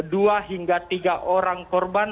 dua hingga tiga orang korban